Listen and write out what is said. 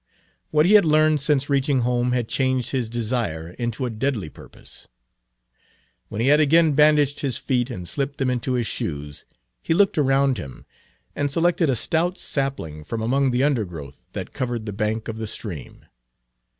What he had learned since reaching home had changed his desire into a deadly purpose. When he had again bandaged his feet and slipped them into his shoes, he looked around him, and selected a stout sapling from among the undergrowth that covered the bank of the stream.